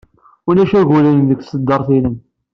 Ulac agulen deg tṣeddart-nnem.